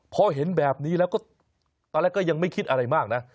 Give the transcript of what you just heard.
พอเห็นแบบนี้แล้วก็ตอนแรกก็ยังไม่คิดอะไรมากนะ